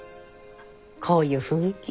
こういう雰囲気。